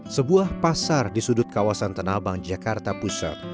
sebuah pasar di sudut kawasan tenabang jakarta pusat